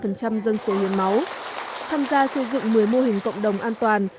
phân đấu hai mươi tỉnh thành tham gia xây dựng một mươi mô hình cộng đồng an toàn